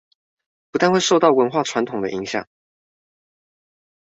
不但會受文化傳統的影響